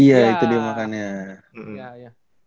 iya itu dia makannya